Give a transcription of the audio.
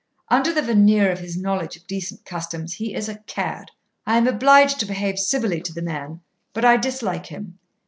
Under the veneer of his knowledge of decent customs he is a cad. I am obliged to behave civilly to the man, but I dislike him.